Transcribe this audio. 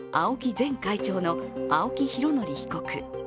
前会長の青木拡憲被告。